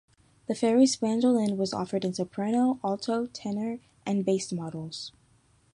The Farris banjolin was offered in soprano, alto, tenor, and bass models.